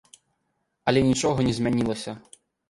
Але нічога не змянялася.